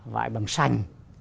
vại bằng xanh